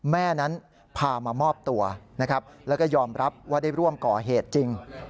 แม่นั้นพามามอบตัวนะครับแล้วก็ยอมรับว่าได้ร่วมก่อเหตุจริง